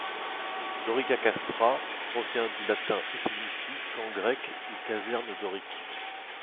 Dorica castra provient du latin et signifie: camp grec ou caserne dorique.